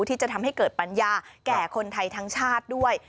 ที่จะทำให้เกิดปัญญาแก่คนไทยทั้งชาติด้วย